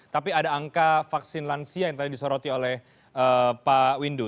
tapi ada angka vaksin lansia yang tadi disoroti oleh pak windu